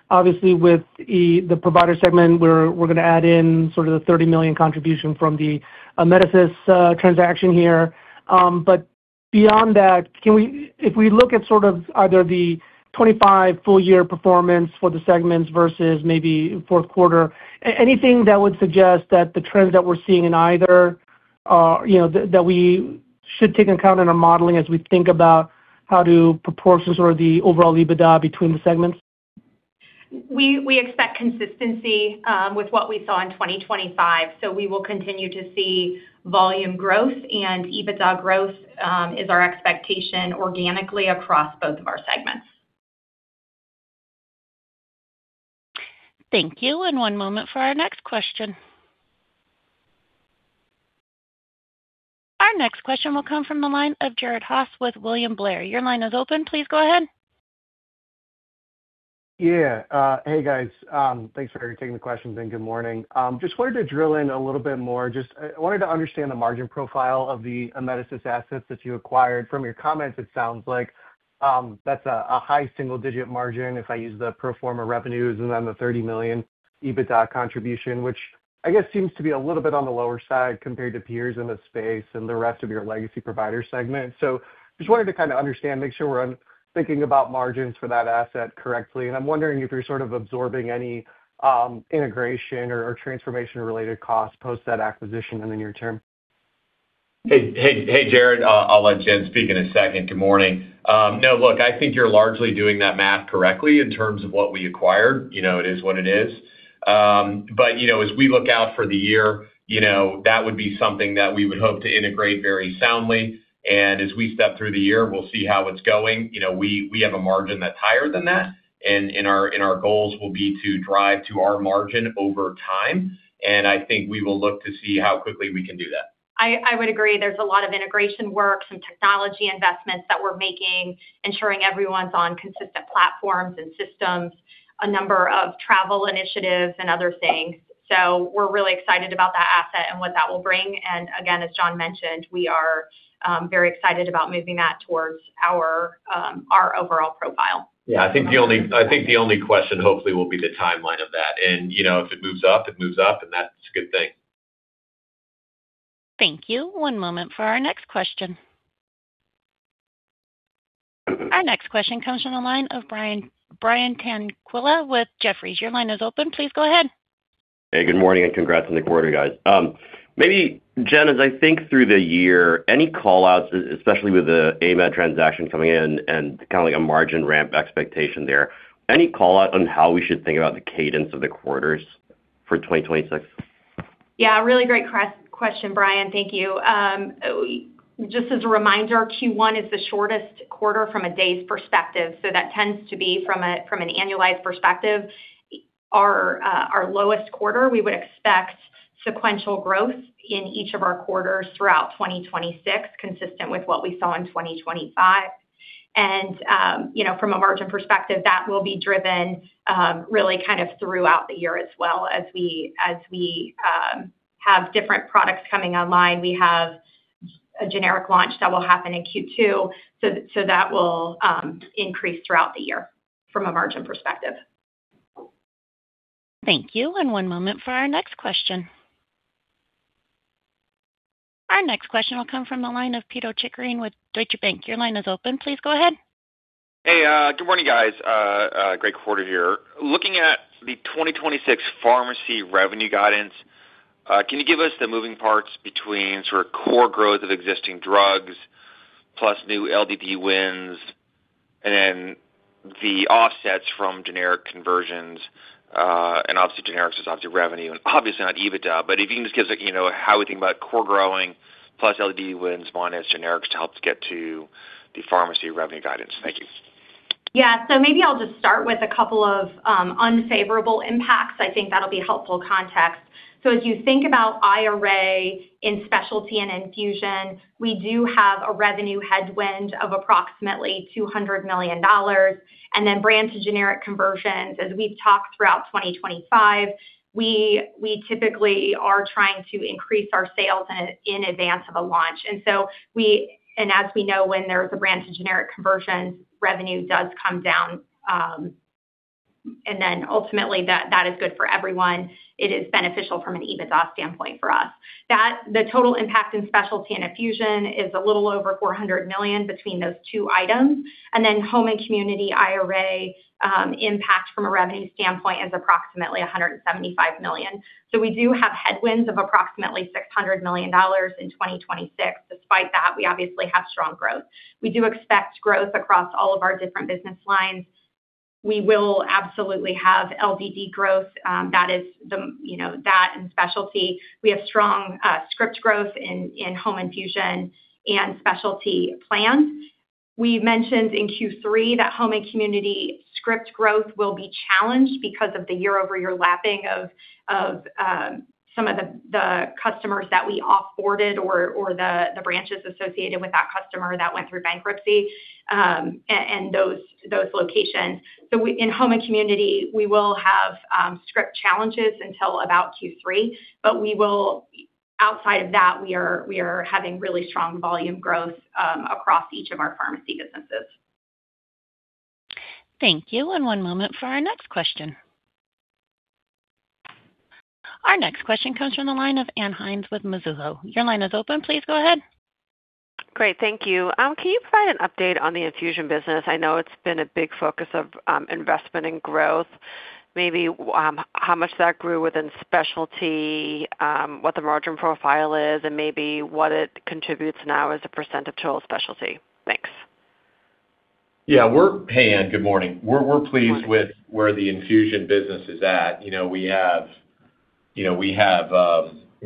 Obviously, with the provider segment, we're going to add in sort of the $30 million contribution from the Amedisys transaction here. Beyond that, if we look at sort of either the 25 full year performance for the segments versus maybe fourth quarter, anything that would suggest that the trends that we're seeing in either, you know, that we should take into account in our modeling as we think about how to proportion sort of the overall EBITDA between the segments? We expect consistency with what we saw in 2025. We will continue to see volume growth and EBITDA growth is our expectation organically across both of our segments. Thank you. One moment for our next question. Our next question will come from the line of Jared Haase with William Blair. Your line is open. Please go ahead. Yeah, hey, guys. Thanks for taking the questions, and good morning. Just wanted to drill in a little bit more. Just, I wanted to understand the margin profile of the Amedisys assets that you acquired. From your comments, it sounds like that's a high single-digit margin if I use the pro forma revenues and then the $30 million EBITDA contribution, which I guess seems to be a little bit on the lower side compared to peers in the space and the rest of your legacy provider segment. Just wanted to kind of understand, make sure we're thinking about margins for that asset correctly. I'm wondering if you're sort of absorbing any integration or transformation-related costs post that acquisition in the near term. Hey, hey, Jared. I'll let Jen speak in a second. Good morning. No, look, I think you're largely doing that math correctly in terms of what we acquired. You know, it is what it is. You know, as we look out for the year, you know, that would be something that we would hope to integrate very soundly, and as we step through the year, we'll see how it's going. You know, we have a margin that's higher than that, and our goals will be to drive to our margin over time, I think we will look to see how quickly we can do that. I would agree. There's a lot of integration work, some technology investments that we're making, ensuring everyone's on consistent platforms and systems, a number of travel initiatives and other things. We're really excited about that asset and what that will bring. Again, as Jon mentioned, we are very excited about moving that towards our overall profile. Yeah, I think the only question hopefully will be the timeline of that. you know, if it moves up, it moves up, and that's a good thing. Thank you. One moment for our next question. Our next question comes from the line of Brian Tanquilut with Jefferies. Your line is open. Please go ahead. Hey, good morning, and congrats on the quarter, guys. Maybe, Jen, as I think through the year, any call-outs, especially with the Amedisys transaction coming in and kind of like a margin ramp expectation there, any call-out on how we should think about the cadence of the quarters for 2026? Yeah, really great question, Brian. Thank you. Just as a reminder, Q1 is the shortest quarter from a days perspective, so that tends to be, from a, from an annualized perspective, our lowest quarter. We would expect sequential growth in each of our quarters throughout 2026, consistent with what we saw in 2025. You know, from a margin perspective, that will be driven really kind of throughout the year as well as we, as we, have different products coming online. We have a generic launch that will happen in Q2, so that will increase throughout the year from a margin perspective. Thank you. And one moment for our next question. Our next question will come from the line of Pito Chickering with Deutsche Bank. Your line is open. Please go ahead. Hey, good morning, guys. Great quarter here. Looking at the 2026 pharmacy revenue guidance, can you give us the moving parts between sort of core growth of existing drugs, plus new LDD wins, and then the offsets from generic conversions? Obviously, generics is obviously revenue and obviously not EBITDA, but if you can just give us, you know, how we think about core growing plus LDD wins minus generics to help get to the pharmacy revenue guidance. Thank you. Maybe I'll just start with a couple of unfavorable impacts. I think that'll be helpful context. As you think about IRA in specialty and infusion, we do have a revenue headwind of approximately $200 million, brand to generic conversions. As we've talked throughout 2025, we typically are trying to increase our sales in advance of a launch. As we know, when there's a brand to generic conversion, revenue does come down, ultimately, that is good for everyone. It is beneficial from an EBITDA standpoint for us. The total impact in specialty and infusion is a little over $400 million between those two items. Home and community IRA impact from a revenue standpoint is approximately $175 million. We do have headwinds of approximately $600 million in 2026. Despite that, we obviously have strong growth. We do expect growth across all of our different business lines. We will absolutely have LDD growth, that is the, you know, that and specialty. We have strong script growth in home infusion and specialty plans. We mentioned in Q3 that home and community script growth will be challenged because of the year-over-year lapping of some of the customers that we off-boarded or the branches associated with that customer that went through bankruptcy and those locations. In home and community, we will have script challenges until about Q3, but we will, outside of that, we are having really strong volume growth across each of our pharmacy businesses. Thank you. One moment for our next question. Our next question comes from the line of Ann Hynes with Mizuho. Your line is open. Please go ahead. Great, thank you. Can you provide an update on the infusion business? I know it's been a big focus of investment and growth. Maybe how much that grew within specialty, what the margin profile is, and maybe what it contributes now as a % of total specialty. Thanks. Yeah, hey, Ann, good morning. We're pleased with where the infusion business is at. You know, we have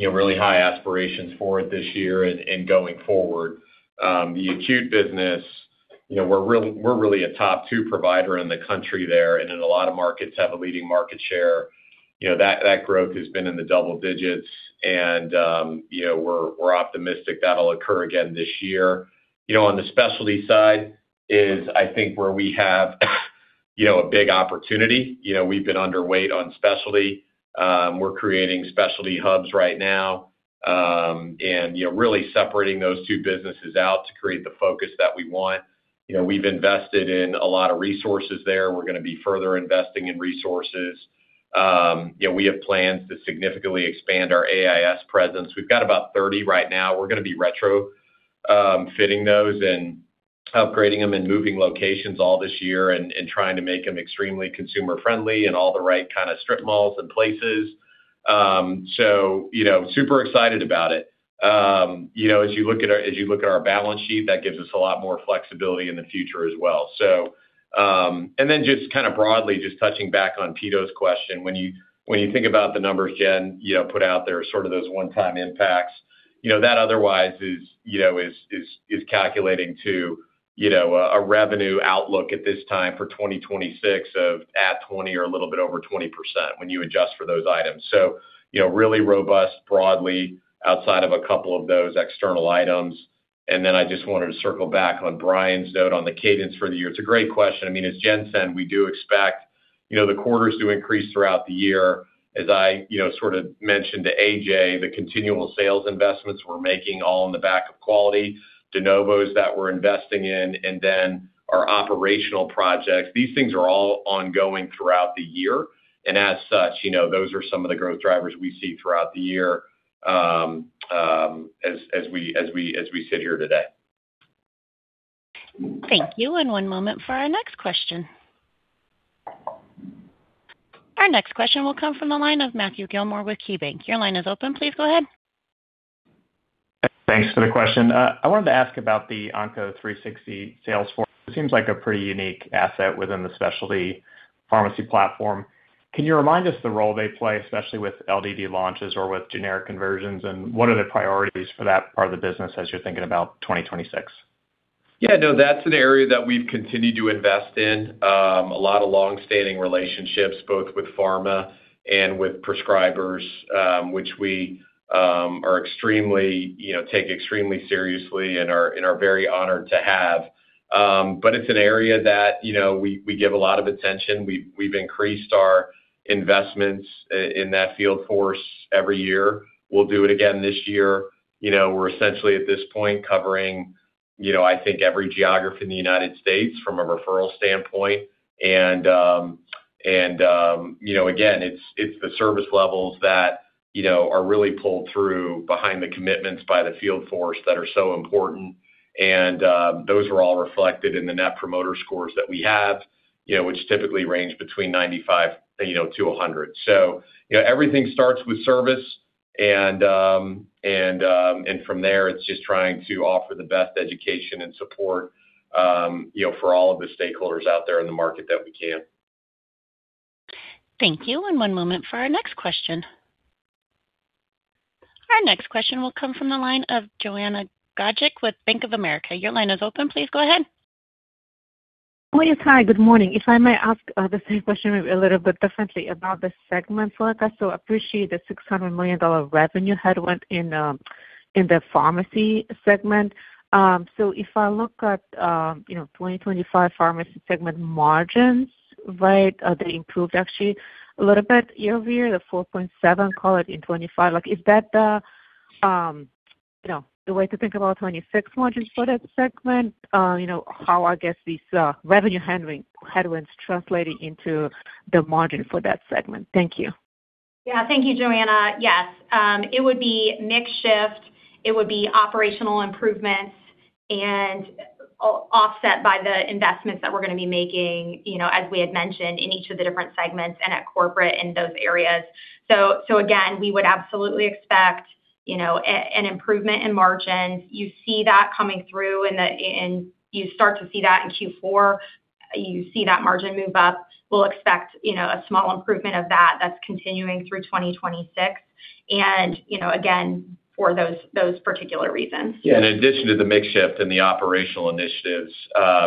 really high aspirations for it this year and going forward. The acute business, you know, we're really a top two provider in the country there, and in a lot of markets, have a leading market share. You know, that growth has been in the double digits, and, you know, we're optimistic that'll occur again this year. You know, on the specialty side is, I think, where we have, you know, a big opportunity. You know, we've been underweight on specialty. We're creating specialty hubs right now, and, you know, really separating those two businesses out to create the focus that we want. You know, we've invested in a lot of resources there. We're going to be further investing in resources. you know, we have plans to significantly expand our AIS presence. We've got about 30 right now. We're going to be retrofitting those and upgrading them and moving locations all this year and trying to make them extremely consumer-friendly in all the right kind of strip malls and places. you know, super excited about it. you know, as you look at our balance sheet, that gives us a lot more flexibility in the future as well. Just kind of broadly, just touching back on Pito Chickering, when you think about the numbers, Jen, you know, put out there, sort of those one-time impacts, you know, that otherwise is, you know, calculating to, you know, a revenue outlook at this time for 2026 of at 20% or a little bit over 20% when you adjust for those items. Really robust broadly outside of a couple of those external items. I just wanted to circle back on Brian's note on the cadence for the year. It's a great question. I mean, as Jen said, we do expect, you know, the quarters to increase throughout the year. As I, you know, sort of mentioned to AJ, the continual sales investments we're making all in the back of quality, de novos that we're investing in, and then our operational projects, these things are all ongoing throughout the year. As such, you know, those are some of the growth drivers we see throughout the year, as we sit here today. Thank you. One moment for our next question. Our next question will come from the line of Matthew Gillmor with KeyBanc. Your line is open. Please go ahead. Thanks for the question. I wanted to ask about the Onco360 sales force. It seems like a pretty unique asset within the specialty pharmacy platform. Can you remind us the role they play, especially with LDD launches or with generic conversions, and what are the priorities for that part of the business as you're thinking about 2026? Yeah, no, that's an area that we've continued to invest in. A lot of long-standing relationships, both with pharma and with prescribers, which we are extremely, you know, take extremely seriously and are very honored to have. It's an area that, you know, we give a lot of attention. We've increased our investments in that field force every year. We'll do it again this year. You know, we're essentially at this point, covering, you know, I think every geography in the United States from a referral standpoint. Again, it's the service levels that, you know, are really pulled through behind the commitments by the field force that are so important. Those are all reflected in the Net Promoter Scores that we have, you know, which typically range between 95, you know, to 100. Everything starts with service, and from there, it's just trying to offer the best education and support, you know, for all of the stakeholders out there in the market that we can. Thank you. One moment for our next question. Our next question will come from the line of Joanna Gajuk with Bank of America. Your line is open. Please go ahead. Oh, yes. Hi, good morning. If I may ask, the same question a little bit differently about the segment work. I so appreciate the $600 million revenue headwind in the pharmacy segment. If I look at, you know, 2025 pharmacy segment margins, right, they improved actually a little bit year-over-year, the 4.7%, call it in 2025. Like, is that the, you know, the way to think about 2026 margins for that segment? You know, how, I guess, these revenue headwinds translating into the margin for that segment? Thank you. Yeah. Thank you, Joanna.It would be mix shift, it would be operational improvements and offset by the investments that we're going to be making, you know, as we had mentioned in each of the different segments and at corporate in those areas. Again, we would absolutely expect, you know, an improvement in margins. You see that coming through and you start to see that in Q4, you see that margin move up. We'll expect, you know, a small improvement of that's continuing through 2026, and, you know, again, for those particular reasons. In addition to the mix shift and the operational initiatives,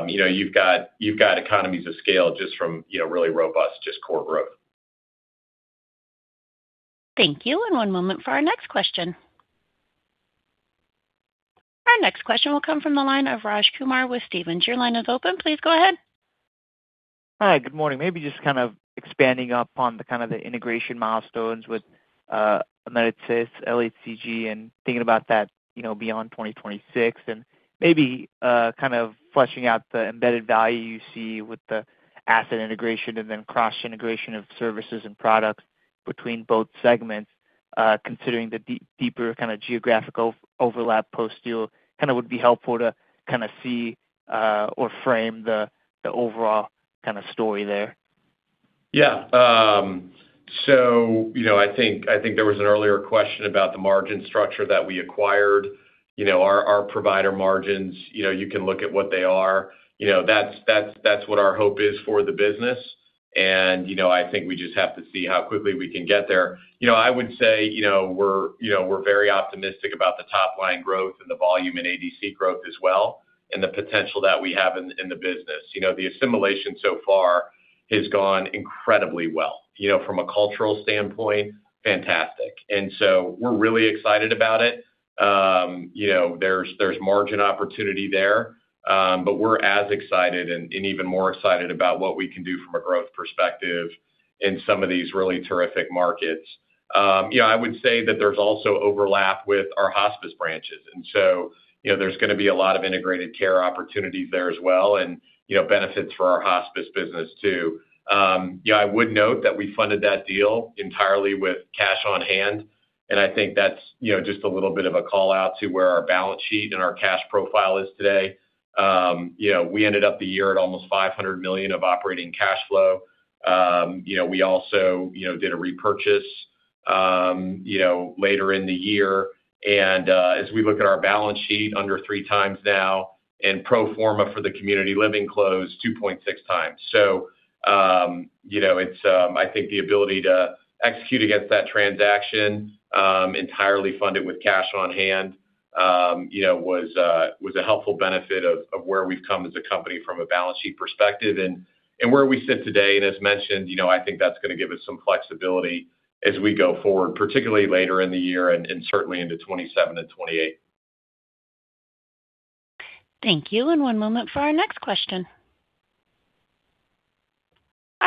you know, you've got, you've got economies of scale just from, you know, really robust, just core growth. Thank you. One moment for our next question. Our next question will come from the line of Raj Kumar with Stephens. Your line is open. Please go ahead. Hi, good morning. Maybe just kind of expanding upon the kind of the integration milestones with AmerisourceBergen, LHCG, and thinking about that, you know, beyond 2026. Maybe kind of fleshing out the embedded value you see with the asset integration and then cross integration of services and products between both segments, considering the deeper kind of geographical overlap post deal. Kind of would be helpful to kind of see or frame the overall kind of story there. You know, I think, I think there was an earlier question about the margin structure that we acquired. You know, our provider margins, you know, you can look at what they are. You know, that's, that's what our hope is for the business. You know, I think we just have to see how quickly we can get there. You know, I would say, you know, we're, you know, we're very optimistic about the top line growth and the volume in ADC growth as well, and the potential that we have in the business. You know, the assimilation so far has gone incredibly well. You know, from a cultural standpoint, fantastic. So we're really excited about it. You know, there's margin opportunity there, we're as excited and even more excited about what we can do from a growth perspective in some of these really terrific markets. You know, I would say that there's also overlap with our hospice branches, you know, there's gonna be a lot of integrated care opportunities there as well, and, you know, benefits for our hospice business too. Yeah, I would note that we funded that deal entirely with cash on hand, I think that's, you know, just a little bit of a call-out to where our balance sheet and our cash profile is today. You know, we ended up the year at almost $500 million of operating cash flow. You know, we also, you know, did a repurchase, you know, later in the year. As we look at our balance sheet, under 3x now in pro forma for the community living closed 2.6x. You know, it's, I think the ability to execute against that transaction, entirely funded with cash on hand, you know, was a, was a helpful benefit of where we've come as a company from a balance sheet perspective and where we sit today. As mentioned, you know, I think that's gonna give us some flexibility as we go forward, particularly later in the year and certainly into 2027 and 2028. Thank you. One moment for our next question.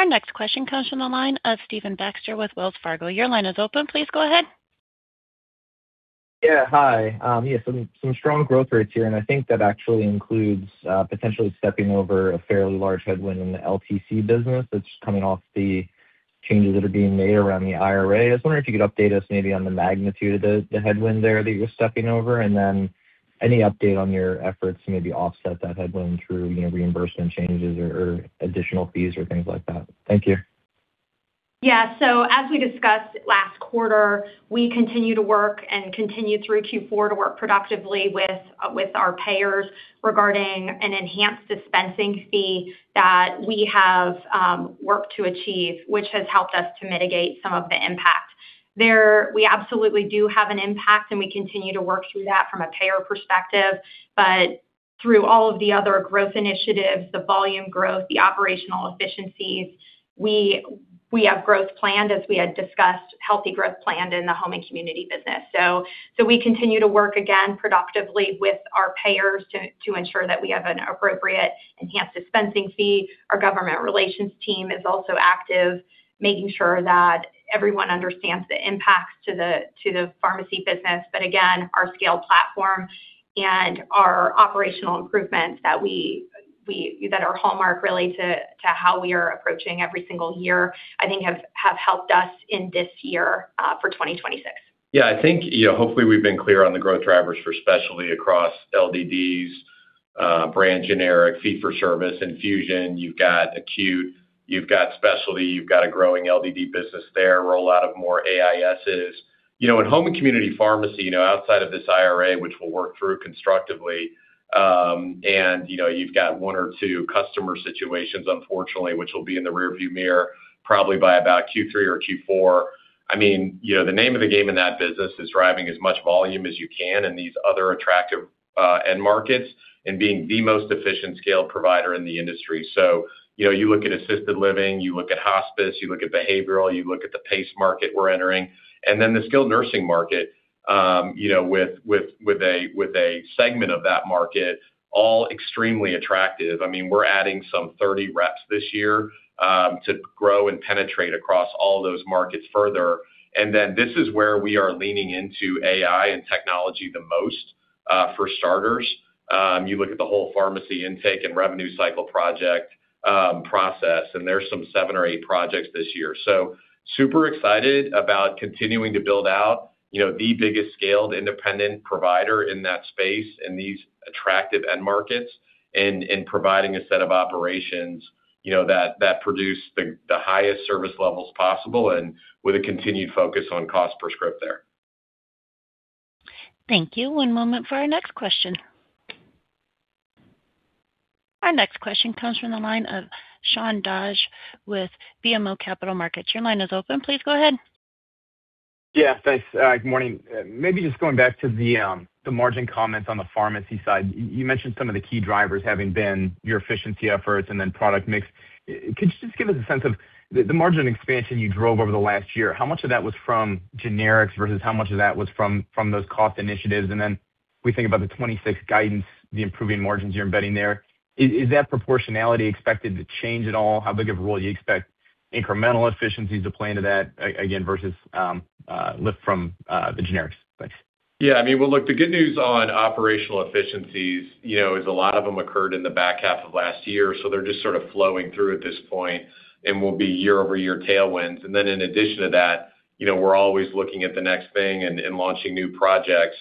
Our next question comes from the line of Stephen Baxter with Wells Fargo. Your line is open. Please go ahead. Yeah. Hi, yeah, some strong growth rates here, and I think that actually includes potentially stepping over a fairly large headwind in the LTC business that's coming off the changes that are being made around the IRA. I was wondering if you could update us maybe on the magnitude of the headwind there that you're stepping over, and then any update on your efforts to maybe offset that headwind through, you know, reimbursement changes or additional fees or things like that. Thank you. Yeah. As we discussed last quarter, we continue to work and continue through Q4 to work productively with our payers regarding an enhanced dispensing fee that we have worked to achieve, which has helped us to mitigate some of the impact. There, we absolutely do have an impact, we continue to work through that from a payer perspective, through all of the other growth initiatives, the volume growth, the operational efficiencies, we have growth planned, as we had discussed, healthy growth planned in the home and community business. We continue to work again, productively with our payers to ensure that we have an appropriate enhanced dispensing fee. Our government relations team is also active, making sure that everyone understands the impacts to the pharmacy business. again, our scale platform and our operational improvements that we that are hallmark really to how we are approaching every single year, I think have helped us in this year for 2026. Yeah, I think, you know, hopefully, we've been clear on the growth drivers for specialty across LDDs, brand generic, fee for service, infusion. You've got acute, you've got specialty, you've got a growing LDD business there, rollout of more AISs. You know, in home and community pharmacy, you know, outside of this IRA, which we'll work through constructively, you know, you've got one or two customer situations, unfortunately, which will be in the rearview mirror, probably by about Q3 or Q4. I mean, you know, the name of the game in that business is driving as much volume as you can in these other attractive end markets and being the most efficient scale provider in the industry. You know, you look at assisted living, you look at hospice, you look at behavioral, you look at the PACE market we're entering, and then the skilled nursing market, you know, with a segment of that market, all extremely attractive. I mean, we're adding some 30 reps this year to grow and penetrate across all those markets further. This is where we are leaning into AI and technology the most for starters. You look at the whole pharmacy intake and revenue cycle project process, and there's some seven or eight projects this year. Super excited about continuing to build out, you know, the biggest scaled independent provider in that space. attractive end markets and providing a set of operations, you know, that produce the highest service levels possible and with a continued focus on cost per script there. Thank you. One moment for our next question. Our next question comes from the line of Sean Dodge with BMO Capital Markets. Your line is open. Please go ahead. Yeah, thanks. Good morning. Maybe just going back to the margin comments on the pharmacy side. You mentioned some of the key drivers having been your efficiency efforts and then product mix. Could you just give us a sense of the margin expansion you drove over the last year, how much of that was from generics versus how much of that was from those cost initiatives? We think about the 2026 guidance, the improving margins you're embedding there, is that proportionality expected to change at all? How big of a role do you expect incremental efficiencies to play into that again, versus lift from the generics? Thanks. Yeah, I mean, well, look, the good news on operational efficiencies, you know, is a lot of them occurred in the back half of last year, so they're just sort of flowing through at this point and will be year-over-year tailwinds. In addition to that, you know, we're always looking at the next thing and launching new projects.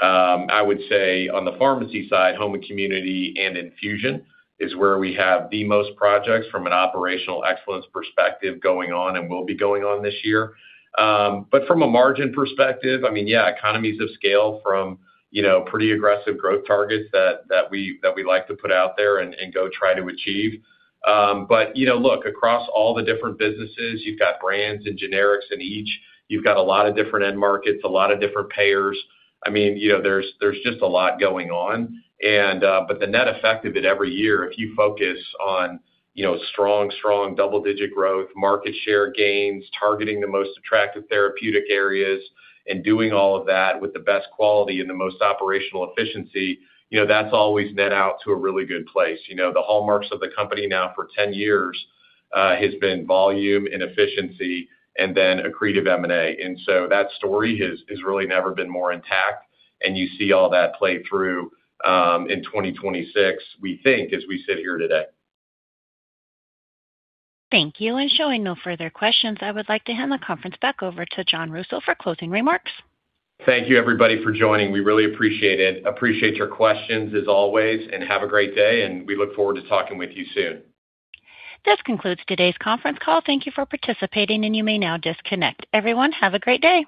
I would say on the pharmacy side, home and community and infusion is where we have the most projects from an operational excellence perspective going on and will be going on this year. From a margin perspective, I mean, yeah, economies of scale from, you know, pretty aggressive growth targets that we like to put out there and go try to achieve. You know, look, across all the different businesses, you've got brands and generics, and each you've got a lot of different end markets, a lot of different payers. I mean, you know, there's just a lot going on. The net effect of it every year, if you focus on, you know, strong double-digit growth, market share gains, targeting the most attractive therapeutic areas, and doing all of that with the best quality and the most operational efficiency, you know, that's always net out to a really good place. You know, the hallmarks of the company now for 10 years has been volume and efficiency and then accretive M&A. That story has really never been more intact, and you see all that play through in 2026, we think, as we sit here today. Thank you. Showing no further questions, I would like to hand the conference back over to Jon Rousseau for closing remarks. Thank you, everybody, for joining. We really appreciate it. Appreciate your questions, as always, and have a great day, and we look forward to talking with you soon. This concludes today's conference call. Thank you for participating. You may now disconnect. Everyone, have a great day.